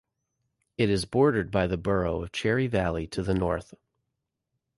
It is bordered by the borough of Cherry Valley to the north.